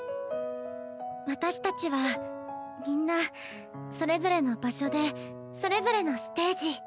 私たちはみんなそれぞれの場所でそれぞれのステージ。